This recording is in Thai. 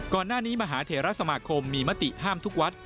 ก่อนหน้านี้มหาเทราสมาคมมีมติห้ามทุกวัด